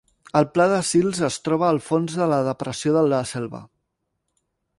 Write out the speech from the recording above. El pla de Sils es troba al fons de la Depressió de la Selva.